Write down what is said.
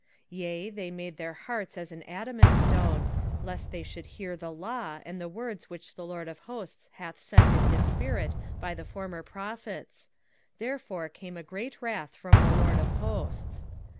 7:12 Yea, they made their hearts as an adamant stone, lest they should hear the law, and the words which the LORD of hosts hath sent in his spirit by the former prophets: therefore came a great wrath from the LORD of hosts.